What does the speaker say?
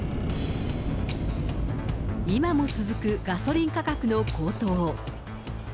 今も続くガソリン価格の高騰。